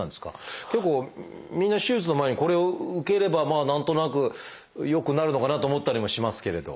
結構みんな手術の前にこれを受ければまあ何となく良くなるのかなと思ったりもしますけれど。